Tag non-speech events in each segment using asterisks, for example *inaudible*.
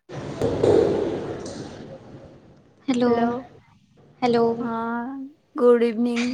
*inaudible* Hello. Hello ହଁ good evening.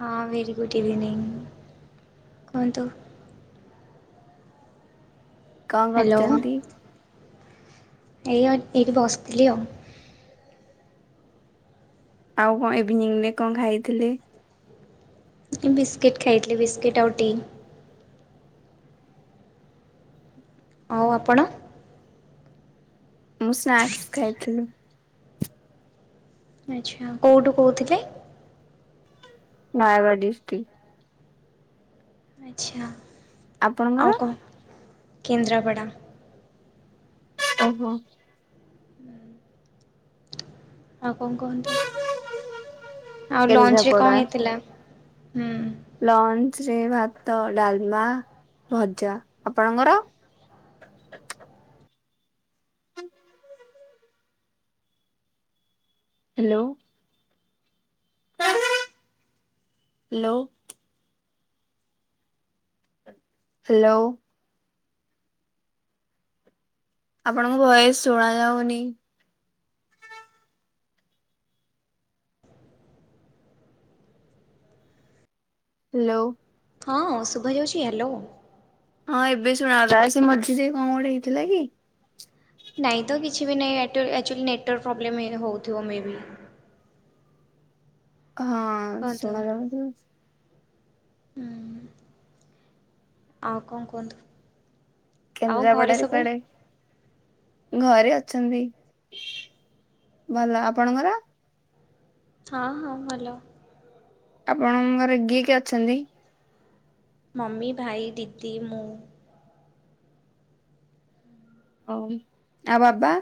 ହଁ very good evening କୁହନ୍ତୁ। କଣ ହ୍ୟାଲୋ କରୁଚନ୍ତି? ଏଇ *unintelligible* ଏଇଠି ବସିଥିଲି ଆଉ। ଆଉ କଣ ଇଭିନିଂରେ କଣ ଖାଇଥିଲେ? ଏ ବିସ୍କିଟ୍ ଖାଇଥିଲି ବିସ୍କିଟ ଆଉ ଟି। ଆଉ ଆପଣ? ମୁଁ ସ୍ନାକ୍ସ ଖାଇଥିଲି। ଆଚ୍ଛା। କୋଉଁଠୁ କହୁଥିଲେ? ନୟାଗଡ ଡିଷ୍ଟ୍ରିକ୍ଟ। ଆଚ୍ଛା। ଆପଣଙ୍କର? ଆଉ କଣ କେନ୍ଦ୍ରାପଡ଼ା। ଓହୋ। ଆଉ କଣ କୁହନ୍ତୁ? ଆଉ ଲଞ୍ଚରେ କେନ୍ଦ୍ରାପଡା। କଣ ହେଇଥିଲା? ହୁଁ ଲଞ୍ଚରେ ଭାତ, ଡାଲମା, ଭଜା। ଆପଣଙ୍କର? ହାଲୋ। ହିଲୋ ହାଲୋ ଓ। ଆପଣଙ୍କ ଭଏସ ଶୁଭା ଯାଉନି। ହିଲୋ। ହଁ ଶୁଭା ଯାଉଛି ହ୍ୟାଲୋ। ହଁ ଏବେ ଶୁଣାଗଲା। ସେ ମଝିରେ କଣ ଗୋଟେ ହେଇଥିଲା କି? ନାଇଁ ତ କିଛି ବି ନାହିଁ ଏୟାରଟେଲ ଆକ୍ଚୁଆଲି ନେଟୱାର୍କ ପ୍ରୋବ୍ଲେମ୍ ହେ ହେଉଥିବ ମେ ବି। ହଁ କୁହନ୍ତୁ ଶୁଣା ଯାଉଛି। ହୁଁ, ଆଉ କଣ କୁହନ୍ତୁ? ଆଉ ଘରେ କେନ୍ଦ୍ରାପଡାରେ ସବୁ କୁଆଡେ? ଘରେ ଅଛନ୍ତି, ଭଲ ଆପଣଙ୍କର। ହଁ ହଁ ଭଲ। ଆପଣଙ୍କର ଘରେ ଗିଏ କିଏ ଅଛନ୍ତି? ମମି, ଭାଇ, ଦିଦି, ମୁଁ। ଭଉଣୀ ଆଉ ବାବା?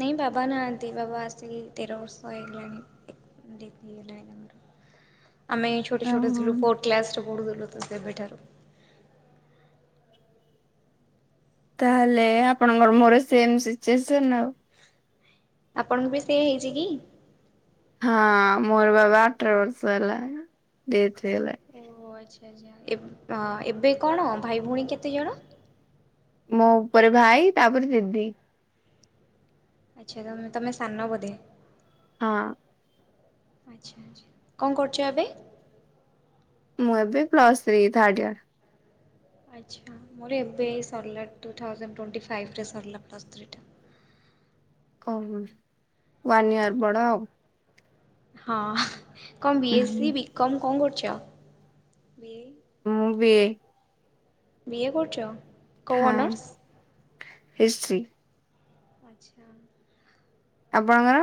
ନାଇଁ ବାବା ନାହାନ୍ତି, ବାବା ଆସିକି ତେର ବର୍ଷ ହେଇଗଲାଣି ଡେଥ ହେଇଗଲାଣି। *inaudible* ଆମେ ଛୋଟ ଛୋଟ ଆଉ ଥିଲୁ ଫୋର୍ଥ କ୍ଲାସ ରେ ପଢୁଥିଲୁ ତୁ ସେବେଠାରୁ। ତାହେଲେ ଆପଣଙ୍କର ମୋର ସେମ ସିଚୁଏସନ ଆଉ। ଆପଣଙ୍କୁ ବି ସେଏ ହେଇଛି କି? ହଁ ମୋର ବାବା ଅଠର ବର୍ଷ ହେଲା ଡେଥ ହେଇଗଲାଣି। ଓ ଓହୋ ଆଚ୍ଛା ଆଚ୍ଛା ଏ ଏବେ କଣ ଭାଇ ଭଉଣୀ କେତେ ଜଣ? ମୋ ଉପରେ ଭାଇ ତାପରେ ଦିଦି। ଆଚ୍ଛା ତମେ ତମେ ସାନ ବୋଧେ। ହଁ। ଆଚ୍ଛା ଆଚ୍ଛା କଣ କରୁଛ ଏବେ? ମୁଁ ଏବେ ପ୍ଲସ ଥ୍ରୀ ଥାଡ ଇୟର। ଆଚ୍ଛା ମୋର ଏବେ ସରିଲା ଟୁ ଥାଉଜେଣ୍ଡ ଟ୍ୱେଣ୍ଟି ଫାଇଭ୍ରରେ ସରିଲା ପ୍ଲସ୍ ଥ୍ରୀଟା। ପୋହୁ ୱାନ ଇୟର ବଡ ଆଉ। ହଁ କଣ ବି ଏସ୍ ସି, ବି କମ୍ କଣ କରୁଛ, ବିଏ। ମୁଁ ବିଏ। ବିଏ କରୁଛ। କୋଉ ହଁ ଅନର୍ସ ହିଷ୍ଟ୍ରି। ଆଚ୍ଛା। ଆପଣଙ୍କର?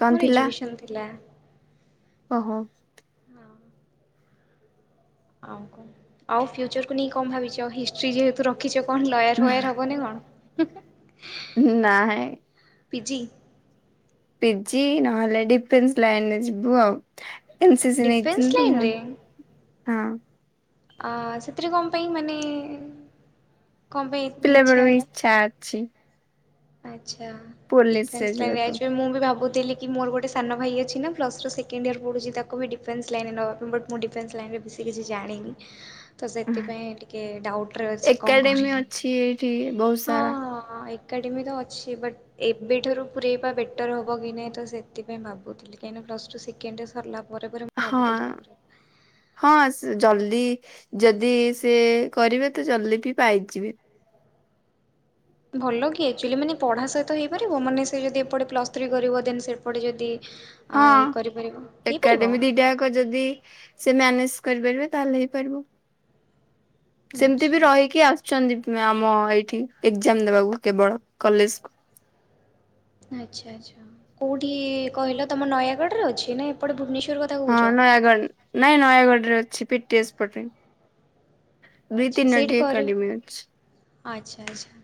କଣ ମୋର ଥିଲା? ଏଜୁକେସନ ଥିଲା। ଓହୋ। ହଁ ଆଉ କଣ ଆଉ ଫିଉଚରକୁ ନେଇ କଣ ଭାବିଛ, ଆଉ ହିଷ୍ଟି ଯେହେତୁ ରଖ ଖିଛ କଣ ଲୟାର ଫୟାର ହବନା କଣ? ନାହିଁ। ପିଜି। ପିଜି ନହେଲେ ଡିଫେନ୍ସ ଲାଇନରେ ଯିବୁ ଆଉ। ଏନସିସି ଡିଫେନ୍ସ ନେଇଥିଲି ତ ମୁଁ ଲାଇନରେ ହଁ। ଅ ସେଥିରେ କଣ ପାଇଁ ମାନେ, କଣ ପାଇଁ ପିଲାବେଳୁ ହେଲା ଇଚ୍ଛା ଅଛି। ଆଚ୍ଛା ପୋଲିସ ଡିଫେନ୍ସ ଲାଇନ ରେ ଯିବାକୁ। ଆ ମୁଁ ବି ଭାବୁଥିଲି କି ମୋର ଗୋଟେ ସାନ ଭାଇ ଅଛି ନା ପ୍ଲସ ଟୁ ସେକେଣ୍ଡ ଇୟର ପଢୁଛି ତାକୁ ବି ଡିଫେନ୍ସ ଲାଇନେବା ପାଇ ବଟ ମୁଁ ଡିଫେନ୍ସ ଲାଇନେ ବେଶୀ କିଛି ଜାଣିନି। ହ ତ ସେଥିପାଇଁ ଟିକେ ଡାଉଟରେ ଅଛି କଣ ଏକାଡେମୀ କରିବି ଅଛି ଏଇଠି ବହୁତ ହଁ ସାରା ହଁ ଏକ ଏକାଡେମୀ ତ ଅଛି ବଟ୍ ଏବେଠାରୁ ପୁରଇବା ବେଟର୍ ହେବ କି ନାହିଁ ତ ସେଥିପାଇଁ ଭାବୁଥିଲି? ମୁଁ କହିଲି କାହିଁ ନା ପ୍ଲସ ଟୁ ସେକେଣ୍ଡ ୟର ସାରିଲା ପରେ ପରେ ମୁଁ ହଁ। ଭାବୁଥିଲି ହଁ ତାକୁ ଜଲଦି ଯଦି ସେ କରିବେ ତ ଜଲଦି ବି ପାଇଯିବେ। ଭଲ କି ଆକ୍ଚୁଆଲି ମାନେ ପଢ଼ା ସହିତ ହେଇପାରିବ ମାନେ ସେ ଯଦି ଏପଟେ ପ୍ଲସ୍ ଥ୍ରୀ କରିବ ଦେନ୍ ସେପଟେ ଯଦି ହଁ କରିପାରିବ ହେଇପାରିବ ଏକାଡେମୀ ଦିଟାକ ଯଦି ସେ ମ୍ୟାନେଜ କରିପାରିବେ ତାହେଲେ ହେଇପାରିବ ସେମିତି ବି ଆଚ୍ଛା ରହିକି ଆସ ଛନ୍ତି ଆମ ଏଇଠି ଏଜାମ ଦେବାକୁ କେବଳ କଲେଜକୁ। ଆଚ୍ଛା ଆଚ୍ଛା କୋଉଠି କହିଲ ତମ ନୟାଗଡ ରେ ଅଛି ନା ଏପଟେ ଭୁବନେସ୍ଵର କ ହଁ ନୟାଗଡ଼ ନାଇଁ ନୟାଗଡ ରେ ଅଛି ପିଟିଏଶ୍ ପଟେ ଦୁଇ ଆଚ୍ଛା ସେଇଠି ତିନୋଟି କରେ ଏକାଡେମୀ ଅଛି। ଆଚ୍ଛା ଆଚ୍ଛା।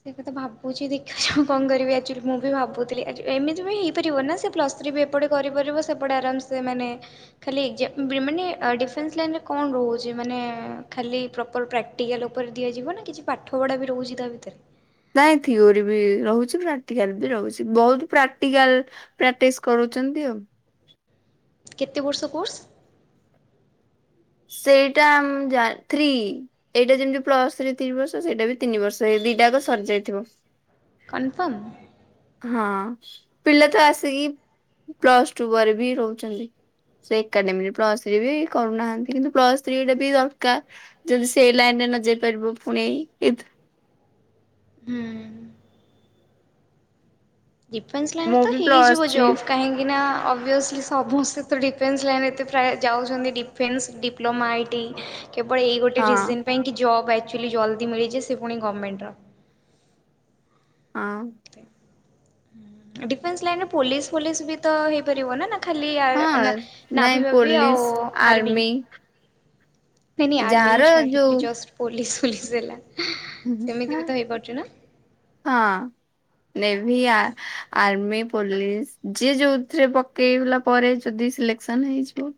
ସେ କଥା ଭାବୁଛି ଦେଖିଛି ମୁଁ କଣ କରିବି ଆ ମୁଁ ବି ଭାବୁଥିଲି ଆ ଏମିତି ବି ହେଇପାରିବ ନା ସେ ପ୍ଲସ୍ ଥ୍ରି ବି ଏପଟେ କରିପାରିବ ସେପଟେ ଆରାମସେ ମାନେ ଖାଲି ଏକ୍ସା ମାନେ ଡିଫେନ୍ସ ଲାଇନ ରେ କଣ ରହୁ ଯେ ମାନେ ଖାଲି ପ୍ରପର ପ୍ରାକ୍ଟିକାଲ ଉପରେ ଦିଆଯିବ ନା କିଛି ପାଠ ପଢା ବି ରହୁଛି ତା ଭିତରେ। ନାଇଁ ଥିଓର ବି ରହୁଛି ପ୍ରାକ୍ଟିକାଲ ବି ରହୁଛି ବହୁତ ପ୍ରାକ୍ଟିକାଲ ପ୍ରାକ୍ଟିସ କରୁଛନ୍ତି ଆଉ। କେତେ ବର୍ଷ କୋର୍ସ? ସେଇଟା ମୁଁ ଜା ଥ୍ରୀ ଏଇଟା ଯେମିତି ପ୍ଲସ ତିନି ବର୍ଷ ସେଇଟା ବି ତିନି ବର୍ଷ ଏଇ ଦିଟା ଆଗ ସରିଯାଇଥିବ। କନଫର୍ମ? ହଁ ପିିଲ ତ ଆସି କି ପ୍ଲସ ଟୁ ପରେ ବି ରହୁଛନ୍ତି ସେ ଏକାଡେମୀରେ ପ୍ଲସ୍ ଥ୍ରୀ ବି କରୁନାହାନ୍ତି। କିନ୍ତୁ ପ୍ଲସ ଥ୍ରୀ ଟା ବି ଦରକାର ଯଦି ସେଇ ଲାଇନ ରେ ନ ଯାଇ ପାରିବ ପୁଣି ଇଥି ହୁଁ। ଡିଫେନ୍ସ ଲାଇନରେ ମୁଁ ତ ବି ପ୍ଲସ ହେଇଯିବ ଥ୍ରୀ ଜବ୍ କାହିଁକି ନା ଅଭିସ୍ କି ସମସ୍ତେ ତ ଡିଫେନ୍ସ ଲାଇନ ଏତେ ପ୍ରାୟ ଯାଉଛନ୍ତି ଡିଫେନ୍ସ ଡିପ୍ଲୋମା ଆଇଟି କେବଳ ଏଇ ଗୋଟେ ହଁ ରିଜନ ପାଇଁ କି ଜବ୍ ଆକ୍ଚୁଆଲି ଜଲ୍ଦି ମିଳିଯେ ସେ ପୁଣି ଗଭର୍ଣ୍ଣମେଣ୍ଟ ର। ହଁ। ଡିଫେନ୍ସ ଲାଇନରେ ପୋଲିସ ଫୋଲିସ ବି ତ ହେଇପାରିବ ନା ନା ଖାଲି ଆ ହଁ ନାଇଁ ନାଭି ଫାବି ପୋଲିସ ଆଉ ଆର୍ମି ନାଇଁ ନାଇଁ ଆର୍ମି କ ଯାହାର ଛାଡ଼ିକି ଯୋଉ ଜଷ୍ଟ ପୋଲିସ ଫୋଲିସ୍ ହେଲା। ସେମିତି ବି ତ ହେଇପାରୁଛି ନା? ହଁ। ନେଭି ଆର୍ମି ପୋଲିସି ଯିଏ ଯୋଉଥିରେ ପକେଇଲା। ପରେ ଯଦି ସିଲେକ୍ସନ ହେଇଯିବ।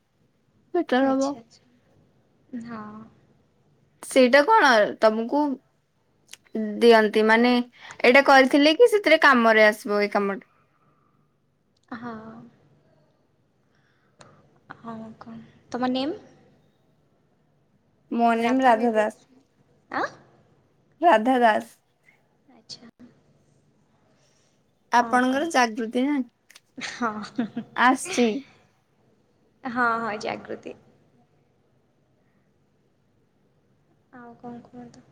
ବେଟର ହବ ଆଚ୍ଛା ଆଚ୍ଛା ହଁ। ସେଇଟା କଣ ତମକୁ ଦିଅନ୍ତି ମାନେ ଏଇଟା କରିଥିଲେ କି ସେଥିରେ କାମରେ ଆସିବ ଏଇ କାମଟା। ହଁ। ହଁ କଣ ତମ ନେମ୍? ମୋ ନେମ୍ ରାଧା ମେରି ଆସୁଛି। ଆଁ? ଦାସ ରାଧା ଦାସ। ଆଚଛା। ଆପଣଙ୍କର ଜାଗୃତି ନା ହଁ ଆସଛି। ହଁ ହଁ ଜାଗୃତି। ଆଉ କଣ କୁହନ୍ତୁ?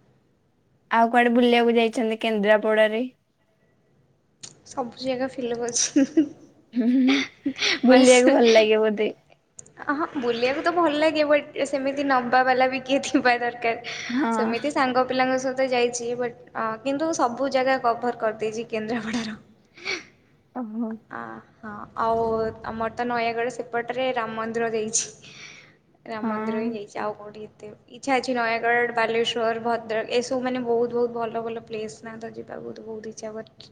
ଆଉ କୁଆଡେ ବୁଲିବାକୁ ଯାଇଛନ୍ତି କେନ୍ଦ୍ରାପଡାରେ? ସବୁ ଜାଗା ଫିଲଵ୍ ଅଛି। ହୁଁ ହୁଁ ବୁଲିବାକୁ ଭଲ ଲାଗେ ବୋଧେ? ଅ ହଁ ବୁଲିବାକୁ ତ ଭଲ ଲାଗେ ବଟ୍ ସେମିତି ନବା ବାଲା ବି କିଏ ଥିବା ଦରକାର। ହଁ ସେମିତି ସାଙ୍ଗ ପିଲାଙ୍କ ସ ଯାଇଛି ବଟ୍ କିନ୍ତୁ ସବୁ ଜାଗା କଭର୍ କରିଦେଇଛି କେନ୍ଦ୍ରାପଡାର। ଓହୋ। ଅ ହଁ ଆଉ ଆମର ତ ନୟାଗଡ଼ ସେପଟରେ ରାମ ମନ୍ଦିର ଯାଇଛି। ରାମ ହଁ ମନ୍ଦିର ହିଁ ଯାଇଛି ଆ କୋଊଠି ଏତେ ଇଚ୍ଛା ଅଛି ନୟାଗଡ଼ ବାଲେଶ୍ଵର ଭଦ୍ରକ ଏସବୁ ମାନେ ବହୁତ ବହୁତ ଭଲ ଭଲ ପ୍ଲେସ୍। ସ୍ନା ତ ଯିବା ବହୁ ବହୁତ ଇଚ୍ଛା ବଟ୍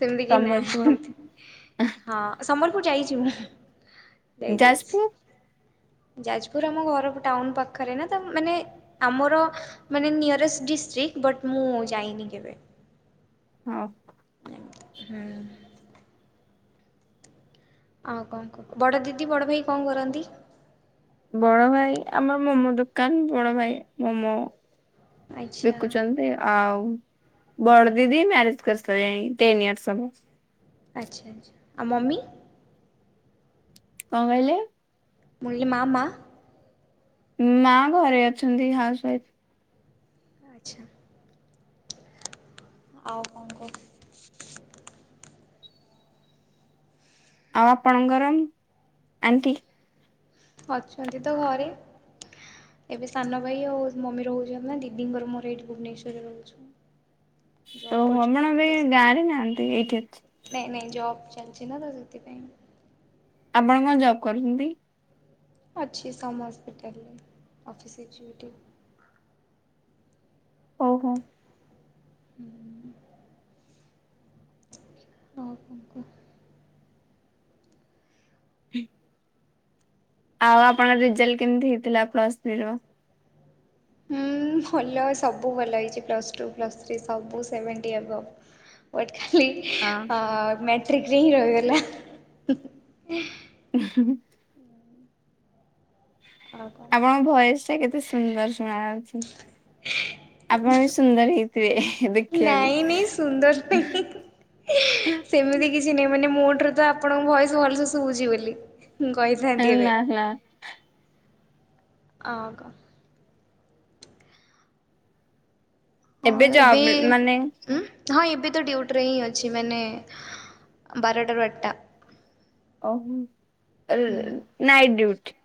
ସେମିତି କେହି ସମ୍ବଲପୁର ନାହାନ୍ତି ହଁ ସମ୍ବଲପୁର ଯାଇଛି ମୁଁ। ଯାଇଛି ଯାଜପୁର ଯାଇଛି ଯାଜପୁର ଆମ ଘର ଟାଉନ୍ ପାଖରେ ନା ତ ମାନେ ଆମର ମାନେ ନିୟରେଷ୍ଟ ଡିଷ୍ଟ୍ରିକ ବଟ୍ ମୁଁ ଯାଇନି କେବେ। ହଁ *inaudible* ହୁଁ। ଆଉ କଣ କୁହ ବଡ ଦିଦି ବଡ ଭାଇ କଣ କରନ୍ତି? ବଡ ଭାଇ ଆମର ମୋମୋ ଦୋକାନ ବଡ ଭାଇ ମୋମୋ ଆଚ୍ଛା ବିକୁଚନ୍ତି ଆଉ ବଡ ଦିଦି ମ୍ୟାରେଜ୍ କରି ସାରିଲେଣି ଟେନ୍ ଇୟର୍ସ ହବ। ଆଚ୍ଛା ଆଚ୍ଛା ଆଉ ମମି? କଣ କହିଲେ? ମୁଁ କହିଲି ମା ମା? ମା ଘରେ ଅଛନ୍ତି ହାଉସ୍ ୱାଇଫ୍। ଆଚ୍ଛା। ଆଉ କଣ କୁହ। ଆଉ ଆପଣଙ୍କର ଆଣ୍ଟି? ଅଛନ୍ତି ତ ଘରେ? ଏବେ ସାନ ଭାଇ ଆଉ ମମି ରହୁଛନ୍ତି ନା ଦିଦିଙ୍କର ମୋର ଏଇଠି ଭୁବନେଶ୍ଵରରେ ରହୁଛୁ। ତ ଜବ୍ କରୁଛୁ ହବଣ ନା ଏଠି ଏବେ ତ ଗାଁରେ ନାହାନ୍ତି ଏଇଠି ଅଛି। ନାଇଁ ନାଇଁ ଜବ୍ ଚାଲିଛି ନା ତ ସେଥିପାଇଁ। ଆପଣ କଣ ଜବ୍ କରୁଛନ୍ତି? ଅଛିି ସମ୍ ହସ୍ପିଟଲରେ କଫି ସଚୁଟି *unintelligible* ଓହୋ। ହଁ ଆଉ କଣ କୁହ। ହୁଁ *unintelligible* ଆଉ ଆପଣ ରେଜଲ୍ଟ କେମିତି ହେଇଥିଲା ପ୍ଲସ୍ ଥ୍ରୀ ର? ହୁଁ ଭଲ ସବୁ ଭଲ ହେଇଛି ପ୍ଲସ୍ ଟୁ ପ୍ଲସ୍ ଥ୍ରୀ ସବୁ ସେଭେଣ୍ଟି *unintelligible* ବଟ ହଁ। ଖାଲିଅ ମ୍ୟାଟ୍ରିକ୍ରରେ ହିଁ ରହିଗଲା ହ ଆଉ କ ଆପଣଙ୍କ ଭଏସ ଟା କେତେ ସୁନ୍ଦର ଶୁଣା ଯାଉଛି ଆପଣ ବି ସୁନ୍ଦର ହେଇଥିବେ ନାଇଁ ନାଇଁ ସୁନ୍ଦର ଦେଖିବାକୁ ନାଇଁ ସେମିତି କିଛି ନାହିଁ ମାନେ ମୋ ଠାରୁ ତ ଆପଣଙ୍କ ଭୟସ ଭଲସେ ଶୁଭଉଛି ବୋଲି ହୁଁ କହିଥାନ୍ତି ଏବେ ହେଲା ଆଉ କ ଏବେ ଜବ ମାନେ ଉ ହଁ ଏବେ ତ ଡ୍ୟୁଟିରେ ହିଁ ଅଛି ମାନେ ବାର ଟା ରୁ ଆଠ ଟା ଓହୋ ହୁଁ ନାଇଟ୍ ଡଡିୁଟି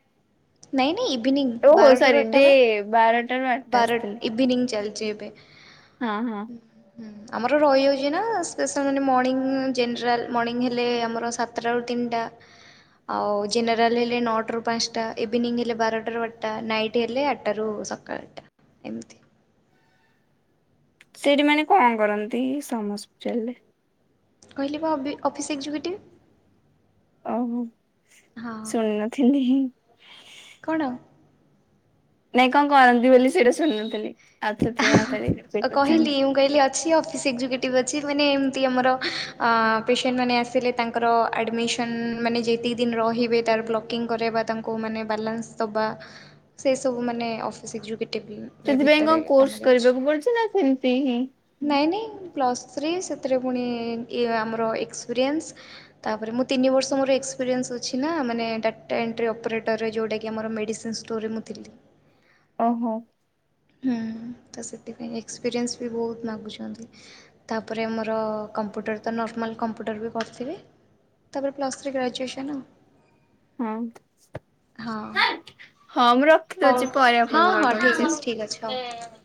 ନାଇଁ ନାଇଁ ଇଭିନିଂ ବାରଟାରୁ ଆଟା ବା ବାରଟ ବାର ଇଭିନିଂ ଚାଲଛି ଏବେ ହଁ ହଁ ହୁଁ ଆମର ରହିଯାଉଛି ନା ସ୍ପେ ମାନେ ମର୍ଣିଂ ଜେନେରାଲ ମର୍ଣିଂ ହେଲେ ଆମର ସାତଟା ରୁ ତିନିଟା ଆଉ ଜେନରଲଲେ ନୋଟ ରୁ ପାଞ୍ଚଟା ଭିନିଂ ଏଲେ ବାରଟ ର ଆଟା ନାଇଟ ଗୋଟି ହେଲେ ଆଠରୁ ସକାଳ ଆଠଟା ଏମିତି ସେଇଠି ମାନେ କଣ କରନ୍ତି ସମସ୍ପିଟାଲରେ କହିଲି ବା ଅବି ଅଫିସ୍ ଏକ୍ଜିକ୍ୟୁଟିଭ୍ ଓଉୋ ହଁ ଶୁଣି ନଥିଲିଁ ହିଁ କଣ ନାଇଁ କଣ କରନ୍ତି ବୋଲି ସେଇଟା ଶୁଣନଥିଲି ହାଁ ଅ କହିଲି ମୁ କହିଲି ଅଛି ଅଫିସ ଏକଜୁଟିଭି ଅଛି ମୁଁ କଇନି ଏମିତି ଆମର ଆ ଅଫିସନ ମାନେ ଆସିଲେ ତା ତାଙ୍କର ଆଡ଼ମିସନ୍ ମାନେ ଯେତିକି ଦିନ ରହିବେ ତାର ବ୍ଲକିଂ କରେ ବା ତାଙ୍କୁ ମାନେ ବାଲାନ୍ସ ଦେବା ସେ ସବୁ ମାନେ ଅଫିସ *unintelligible* ସେଥିପାଇଁ କଣ କୋର୍ସ କରିବାକୁ ପଡୁଛି ନା ସେମତି ହିଁ ନାଇଁ ନାଇଁ ପ୍ଲସ୍ ଥ୍ରୀ ସେଥିରେ ପୁଣି ଆମର ଏକ୍ସପିରିଏନ୍ସ ତାପରେ ମୁଁ ତିନି ବର୍ଷ ମରକ୍ସପିରିଏନ୍ସ ଅଛି ନା ମାନେ ଟାଟା ଏଣ୍ଟ୍ରି ଅପରେଟରରେ ଯୋଉଟାକି ଆମର ମେଡି ସିନ୍ ଷ୍ଟୋରେ ମୁଁ ଥିଲି ଓହୋ ହୁଁ ତ ସେଥିପାଇଁ ଏକ୍ସପିରିଏନ୍ସ ବି ବହୁତ ମାଗୁଛନ୍ତି ତାପରେ ମୋର କମ୍ପୁଟର ତ ନର୍ମାଲ କମ୍ପୁଟର ବି କରିଥିବେ ତାପରେ ପ୍ସ ଥ୍ରୀ ଗ୍ରେଜୁଏସନ ହଁ। ହଁ ହଁ ମୁଁ ହ ରଖିଦଉଛି ପରେ ହଁ ଆପଣଙ୍କୁ କଲ୍ ହଁ ଠିକ ଅଛି ଠିକ୍ ଅଛି ହଉ କରୁଛି।